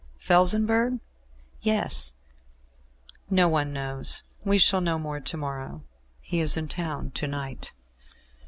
"Felsenburgh?" "Yes." "No one knows. We shall know more to morrow. He is in town to night."